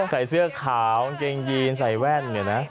ใส่เสื้อขาวเกงจีนใส่แว่นเหมือนกันนะ